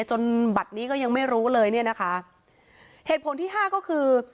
จนบัตรนี้ก็ยังไม่รู้เลยเนี่ยนะคะเหตุผลที่ห้าก็คือ